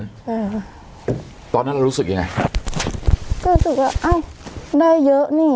ค่ะตอนนั้นเรารู้สึกยังไงครับก็รู้สึกว่าอ้าวได้เยอะนี่